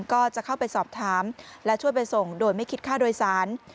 ก็จะเข้าไปสอบถามและช่วยไปส่งโดยไม่คิดค่าโดยสาร